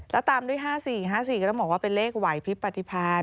แล้วตามด้วย๕๔๕๔ก็ต้องบอกว่าเป็นเลขไหวพริบปฏิพันธ์